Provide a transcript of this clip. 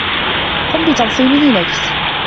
قم بتنصيب لينكس!